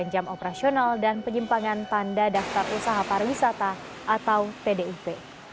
jam operasional dan penyimpangan tanda daftar usaha pariwisata atau pdip